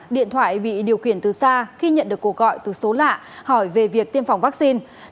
điện thoại bị điều khiển từ xa khi nhận được cuộc gọi từ số lạ hỏi về việc tiêm phòng vaccine